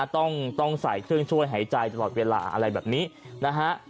ต้องใส่เครื่องช่วยหายใจตลอดเวลาอะไรแบบนี้นะฮะ